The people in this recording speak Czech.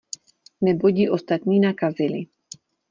Neboť ji ostatní nakazili.